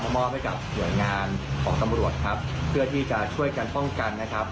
มอบให้กับหน่วยงานของตำรวจครับเพื่อที่จะช่วยกันป้องกันนะครับ